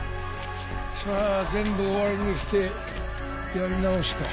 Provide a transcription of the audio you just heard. さぁ全部終わりにしてやり直すか。